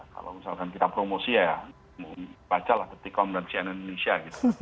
kalau misalkan kita promosi ya baca lah the tick com dan cnn indonesia